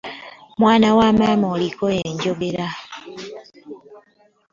Mwana wa maama oliko enjogera!